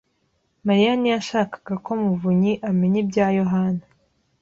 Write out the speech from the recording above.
Mariya ntiyashakaga ko Muvunnyi amenya ibya Yohana.